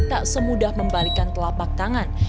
tak semudah membalikan telapak tangan